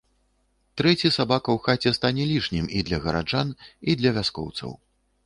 Трэці сабака ў хаце стане лішнім і для гараджан, і для вяскоўцаў.